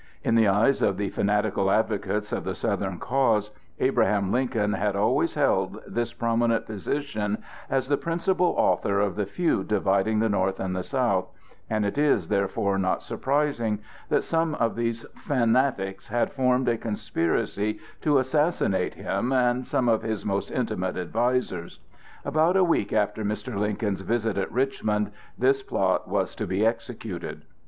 In the eyes of the fanatical advocates of the Southern cause Abraham Lincoln had always held this prominent position as the principal author of the feud dividing the North and the South, and it is therefore not surprising that some of these fanatics had formed a conspiracy to assassinate him and some of his most intimate advisers. About a week after Mr. Lincoln's visit at Richmond this plot was to be executed.